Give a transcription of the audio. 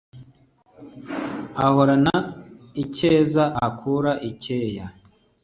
ahorana icyeza akura i cyeya